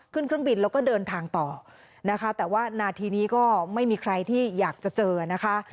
เครื่องบินแล้วก็เดินทางต่อนะคะแต่ว่านาทีนี้ก็ไม่มีใครที่อยากจะเจอนะคะ